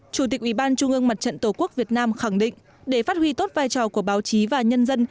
chủ tịch ủy ban trung ương mặt trận tổ quốc việt nam khẳng định để phát huy tốt vai trò của báo chí và nhân dân